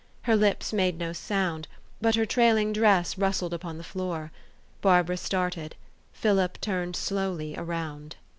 Her lips made no sound ; but her trailing dress rustled upon the floor. Barbara started. Philip turned slowly around.